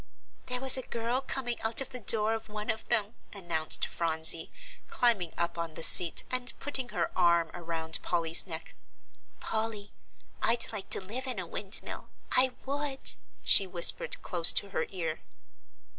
"There was a girl coming out of the door of one of them," announced Phronsie, climbing up on the seat and putting her arm around Polly's neck. "Polly, I'd like to live in a windmill; I would," she whispered close to her ear.